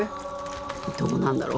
どうなんだろう？